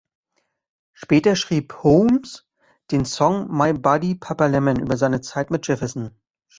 Später schrieb Holmes den Song "My Buddy Papa Lemon" über seine Zeit mit Jefferson.